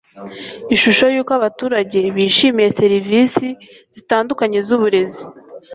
ishusho yuko abaturage bishimiye serivisi zitandukanye z uburezi